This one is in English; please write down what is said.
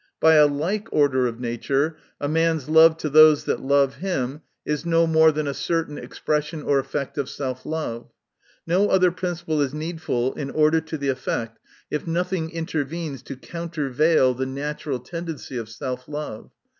By a like order of nature, a man's love to those that love him, is no more than a certain ex pression or effect of self love. No other principle is needful in order to the effect, if nothing intervenes to countervail the natural tendency of self love.